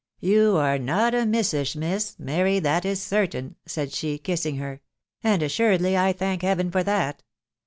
<* You are not a missish miss, Mary, that is certain," said she, kissing her, "and assuredly I thank Heaven for that.